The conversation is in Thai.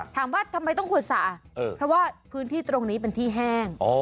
ถามว่าทำไมต้องขุดสระเพราะว่าพื้นที่ตรงนี้เป็นที่แห้ง